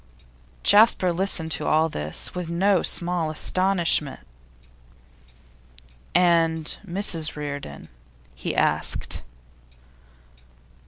Jasper listened to all this with no small astonishment. 'And Mrs Reardon?' he asked.